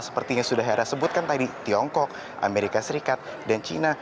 seperti yang sudah hera sebutkan tadi tiongkok amerika serikat dan cina